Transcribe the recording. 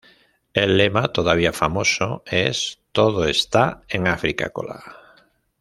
El lema, todavía famoso, es "Todo está en Afri-Cola...".